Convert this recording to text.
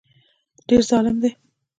ډېر ظالم دی